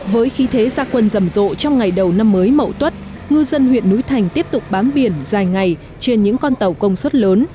với khí thế gia quân rầm rộ trong ngày đầu năm mới mậu tuất ngư dân huyện núi thành tiếp tục bám biển dài ngày trên những con tàu công suất lớn